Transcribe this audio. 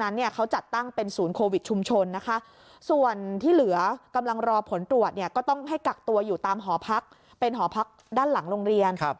ในช่วง๑๔ถึง๒๘วันนะคะ